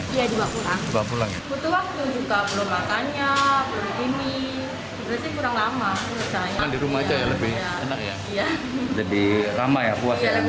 ya dibawa pulang waktu juga belum makannya ini